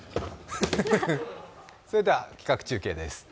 それでは企画中継です。